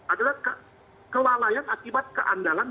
adalah kelalaian akibat keandalan